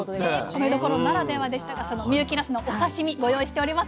米どころならではでしたがその深雪なすのお刺身ご用意しております。